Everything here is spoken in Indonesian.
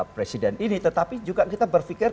presiden ini tetapi juga kita berpikir